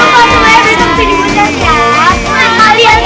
gak mau kau dan saya bersama pilih butet ya